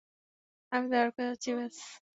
আমি দ্বারকা যাচ্ছি, ব্যস।